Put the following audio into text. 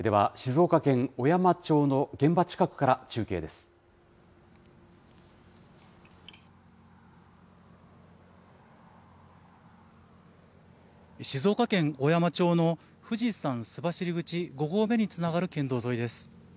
静岡県小山町の富士山須走口五合目につながる県道沿いです。